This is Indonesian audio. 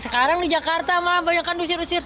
sekarang di jakarta malah banyak kan dusir dusir